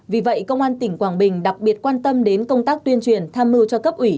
vì vậy công an tỉnh quảng bình đặc biệt quan tâm đến công tác tuyên truyền tham mưu cho cấp ủy